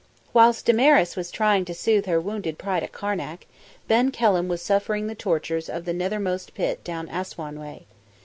Whilst Damaris was trying to soothe her wounded pride at Karnak, Ben Kelham was suffering the tortures of the nethermost pit down Assouan way.